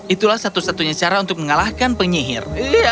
itulah satu satunya cara untuk mengalahkan penyihir